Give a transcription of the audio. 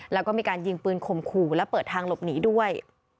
แล้วก็มีการยิงปืนข่มขู่และเปิดทางหลบหนีด้วย